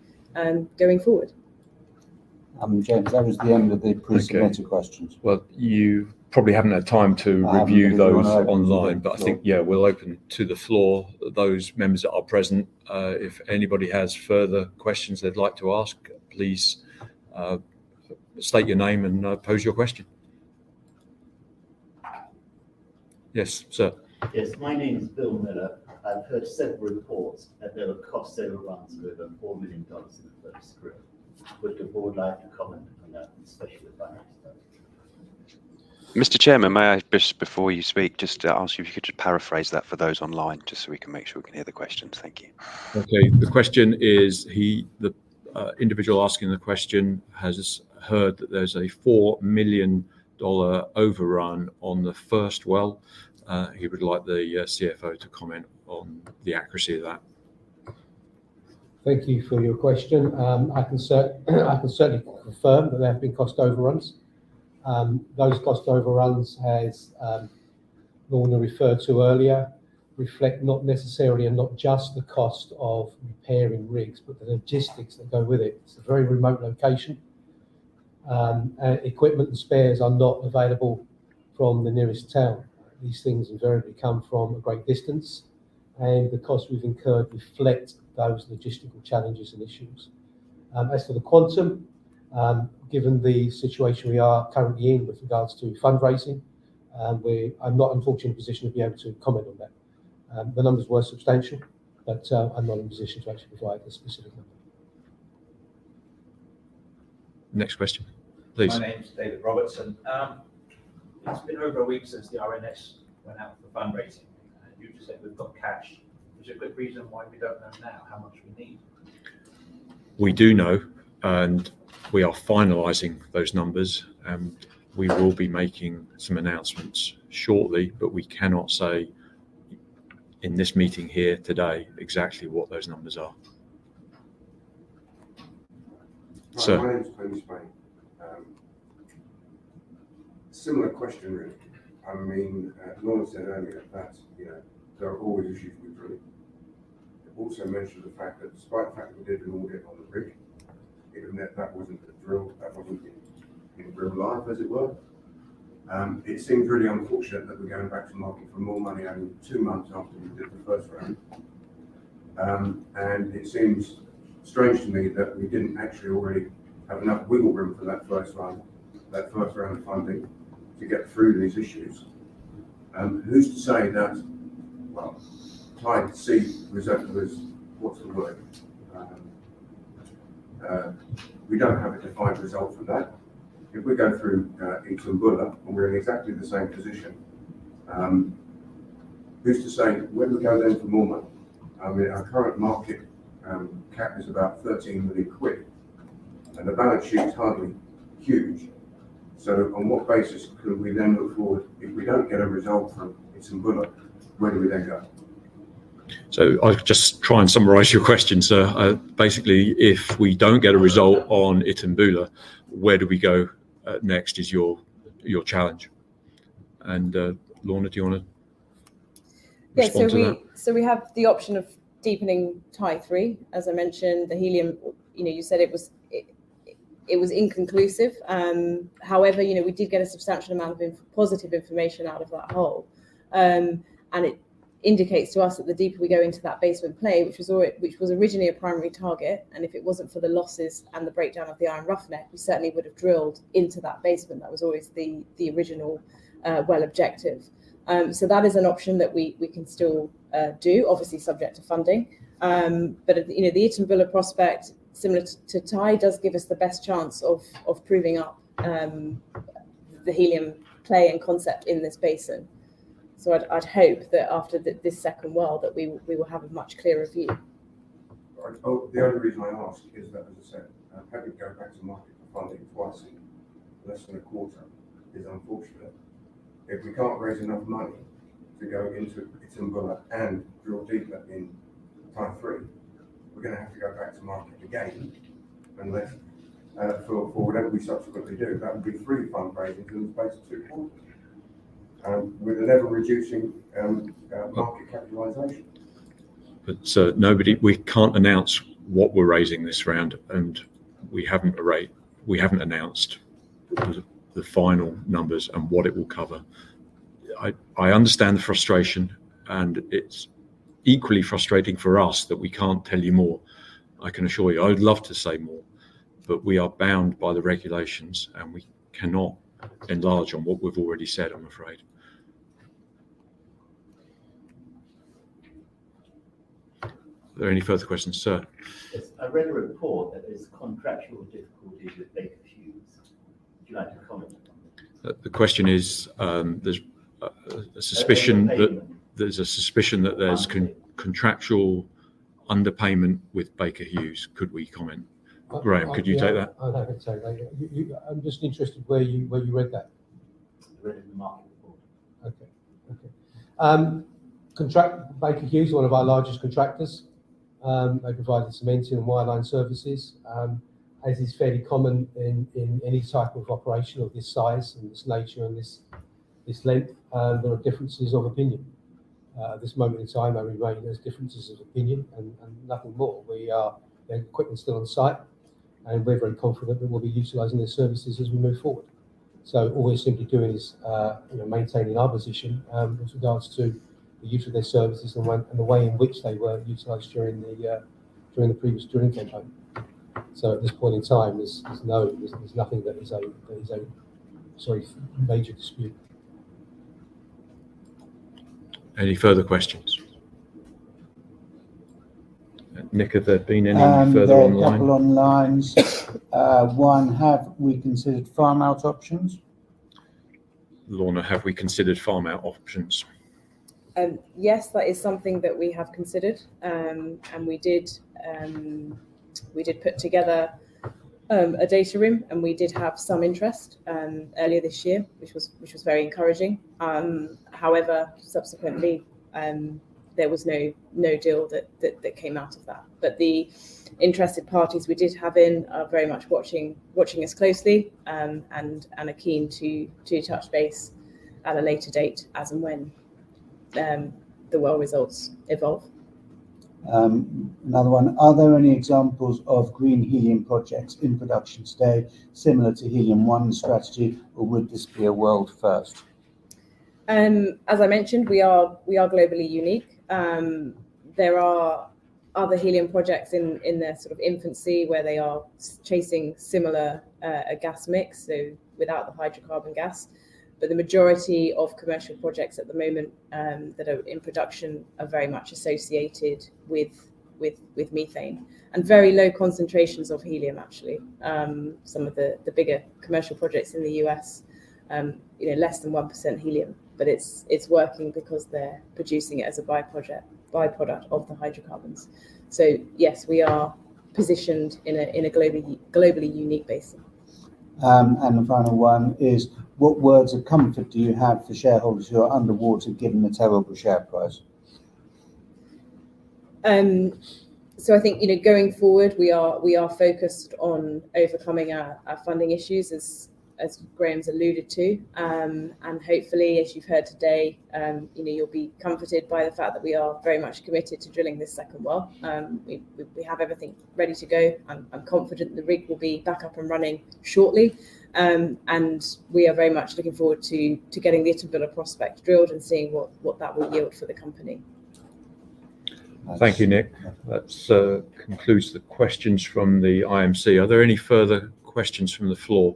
going forward. James, that was the end of the pre-submitted questions. Okay. Well, you probably haven't had time to review those online. I haven't. But I think, yeah, we'll open to the floor those members that are present. If anybody has further questions they'd like to ask, please state your name and pose your question. Yes, sir. Yes. My name's Bill Miller. I've heard several reports that there were cost overruns of over $4 million in the first rig. Would the board like to comment on that, especially the finance director? Mr. Chairman, may I just, before you speak, just ask you if you could just paraphrase that for those online, just so we can make sure we can hear the question. Thank you. Okay. The question is, the individual asking the question has heard that there's a $4 million overrun on the first well. He would like the CFO to comment on the accuracy of that. Thank you for your question. I can certainly confirm that there have been cost overruns. Those cost overruns, as Lorna referred to earlier, reflect not necessarily and not just the cost of repairing rigs, but the logistics that go with it. It's a very remote location. Equipment and spares are not available from the nearest town. These things invariably come from a great distance, and the costs we've incurred reflect those logistical challenges and issues. As for the quantum, given the situation we are currently in with regards to fundraising, I'm not unfortunately in a position to be able to comment on that. The numbers were substantial, but I'm not in a position to actually provide the specific number. Next question, please. My name's David Robertson. It's been over a week since the RNS went out for the fundraising, and you've just said we've got cash. Is there a good reason why we don't know now how much we need? We do know, and we are finalizing those numbers. We will be making some announcements shortly, but we cannot say in this meeting here today exactly what those numbers are. Sir. My name's James Main. Similar question, really. I mean, Lorna said earlier that there are always issues with drilling. Also mentioned the fact that despite the fact that we did an audit on the rig, given that that wasn't a drill, that wasn't in real life, as it were. It seems really unfortunate that we're going back to the market for more money only two months after we did the first round. It seems strange to me that we didn't actually already have enough wiggle room for that first round of funding to get through these issues. Who's to say that, well, client C's result was. What's the word? We don't have a defined result from that. If we go through Itumbula and we're in exactly the same position, who's to say when we go then for more money, our current market cap is about 13 million quid, and the balance sheet is hardly huge. On what basis could we then move forward if we don't get a result from Itumbula? Where do we then go? I'll just try and summarize your question, sir. Basically, if we don't get a result on Itumbula, where do we go next, is your challenge. Lorna, do you want to respond to that? Yeah. We have the option of deepening Tai-3. As I mentioned, the helium, you said it was inconclusive. However, we did get a substantial amount of positive information out of that hole. It indicates to us that the deeper we go into that basement play, which was originally a primary target, and if it wasn't for the losses and the breakdown of the Iron Roughneck, we certainly would have drilled into that basement. That was always the original well objective. That is an option that we can still do, obviously subject to funding. The Itumbula prospect, similar to Tai, does give us the best chance of proving up the helium play and concept in this basin. I'd hope that after this second well, that we will have a much clearer view. The only reason I ask is that, as I said, having to go back to the market for funding twice in less than a quarter is unfortunate. If we can't raise enough money to go into Itumbula and drill deeper in Tai-3, we're going to have to go back to market again for whatever we subsequently do. That would be three fundraisings in the space of two quarters, with an ever-reducing market capitalization. Sir, we can't announce what we're raising this round, and we haven't announced the final numbers and what it will cover. I understand the frustration, and it's equally frustrating for us that we can't tell you more. I can assure you, I would love to say more, but we are bound by the regulations, and we cannot enlarge on what we've already said, I'm afraid. Are there any further questions? Sir. Yes. I read a report that there's contractual difficulties with Baker Hughes. Would you like to comment on that? The question is, there's a suspicion. Over a payment. that there's a suspicion Funding Underpayment with Baker Hughes. Could we comment? Graham, could you take that? I'd be happy to take that. Yeah. I'm just interested in where you read that. I read it in the market report. Okay. Baker Hughes, one of our largest contractors, they provide the cementing and wireline services. As is fairly common in any type of operation of this size and this nature and this length, there are differences of opinion. At this moment in time, we weigh those differences of opinion and nothing more. Their equipment's still on site, and we're very confident that we'll be utilizing their services as we move forward. All we're simply doing is maintaining our position with regards to the use of their services and the way in which they were utilized during the previous drilling campaign. At this point in time, there's nothing that is a major dispute. Any further questions? Nick, have there been any further online? There are a couple online. One, have we considered farm-out options? Lorna, have we considered farm-out options? Yes, that is something that we have considered. We did put together a data room, and we did have some interest earlier this year, which was very encouraging. However, subsequently, there was no deal that came out of that. The interested parties we did have in are very much watching us closely and are keen to touch base at a later date as and when the well results evolve. Another one. Are there any examples of green helium projects in production today similar to Helium One's strategy, or would this be a world first? As I mentioned, we are globally unique. There are other helium projects in their infancy where they are chasing similar gas mix, so without the hydrocarbon gas. The majority of commercial projects at the moment that are in production are very much associated with methane and very low concentrations of helium, actually. Some of the bigger commercial projects in the U.S., less than 1% helium, but it's working because they're producing it as a by-product of the hydrocarbons. Yes, we are positioned in a globally unique place. The final one is, what words of comfort do you have for shareholders who are underwater given the terrible share price? I think, going forward, we are focused on overcoming our funding issues as Graham's alluded to. Hopefully, as you've heard today, you'll be comforted by the fact that we are very much committed to drilling this second well. We have everything ready to go. I'm confident the rig will be back up and running shortly. We are very much looking forward to getting the Itumbula prospect drilled and seeing what that will yield for the company. Thank you, Nick. That concludes the questions from the IMC. Are there any further questions from the floor?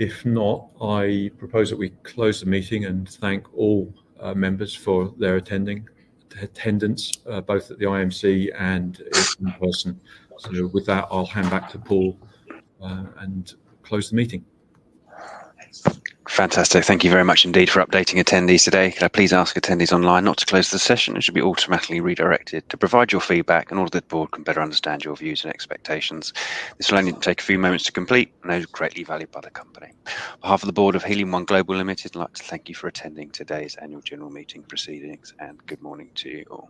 If not, I propose that we close the meeting and thank all members for their attendance, both at the IMC and in person. With that, I'll hand back to Paul and close the meeting. Fantastic. Thank you very much indeed for updating attendees today. Could I please ask attendees online not to close the session? It should be automatically redirected to provide your feedback in order that the board can better understand your views and expectations. This will only take a few moments to complete and is greatly valued by the company. On behalf of the board of Helium One Global Limited, I'd like to thank you for attending today's annual general meeting proceedings, and good morning to you all.